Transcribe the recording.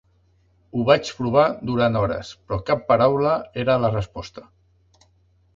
Ho vaig provar durant hores, però cap paraula era la resposta.